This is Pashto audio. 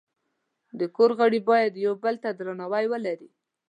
د کور غړي باید یو بل ته درناوی ولري.